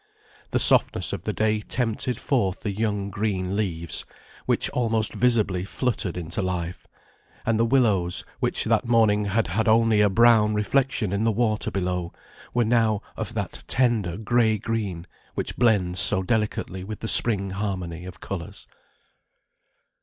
The softness of the day tempted forth the young green leaves, which almost visibly fluttered into life; and the willows, which that morning had had only a brown reflection in the water below, were now of that tender gray green which blends so delicately with the spring harmony of colours.